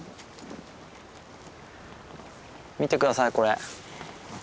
見て下さいこれ。